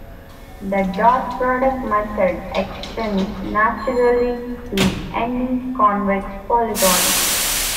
The dot product method extends naturally to any convex polygon.